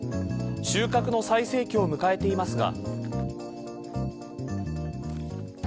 収穫の最盛期を迎えていますが。